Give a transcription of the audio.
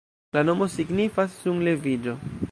La nomo signifas "sunleviĝo".